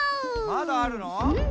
まだあるの？